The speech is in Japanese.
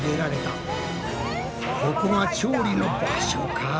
ここが調理の場所か？